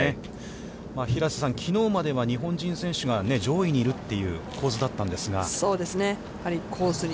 平瀬さん、きのうまでは日本人選手が上位にいるという構図だったんですが。